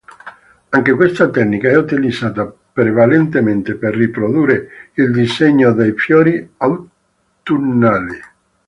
Anche questa tecnica è utilizzata prevalentemente per riprodurre il disegno dei fiori autunnali.